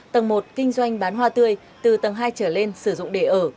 tầng một kinh doanh bán hoa tươi từ tầng hai trở lên sử dụng để ở